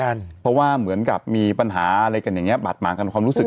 เพราะว่าเหมือนกับมีปัญหาอะไรกันอย่างเงี้บาดหมางกันความรู้สึก